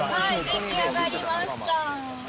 出来上がりました！